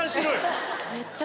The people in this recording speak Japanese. めっちゃ。